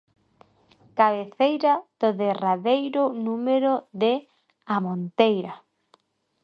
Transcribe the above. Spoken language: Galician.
Cabeceira do derradeiro número de 'A Monteira'.